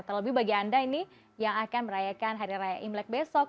terlebih bagi anda ini yang akan merayakan hari raya imlek besok